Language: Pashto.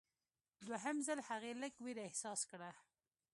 دوهم ځل هغې لږ ویره احساس کړه.